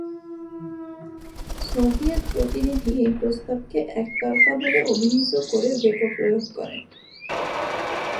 Soviet প্রতিনিধি এই প্রস্তাবকে ‘একতরফা’ বলে অভিহিত করে ভেটো প্রয়োগ করেন।